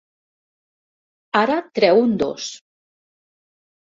Ara treu un dos.